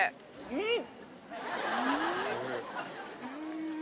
うん。